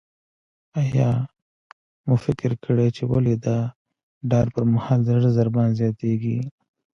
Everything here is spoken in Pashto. آیا مو فکر کړی چې ولې د ډار پر مهال د زړه ضربان زیاتیږي؟